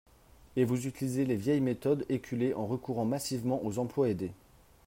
Et vous utilisez les vieilles méthodes éculées en recourant massivement aux emplois aidés.